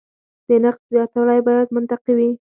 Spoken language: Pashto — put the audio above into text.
د نرخ زیاتوالی باید منطقي وي.